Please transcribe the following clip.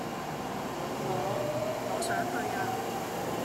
我……我想去呀！